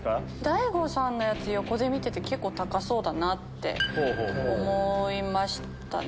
大悟さんのやつ横で見てて結構高そうだなって思いました。